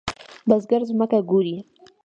بزګر زمکه کوري.